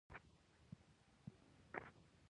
دوو عسکرو د کلا لرګينه درنه دروازه خلاصه کړه.